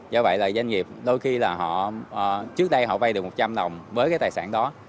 do vậy là doanh nghiệp đôi khi là họ trước đây họ vay được một trăm linh đồng với cái tài sản đó